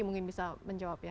mungkin bisa menjawab ya